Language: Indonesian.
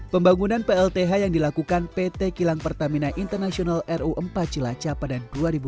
pembangunan plth yang dilakukan pt kilang pertamina international ru empat cilacapadan dua ribu tujuh belas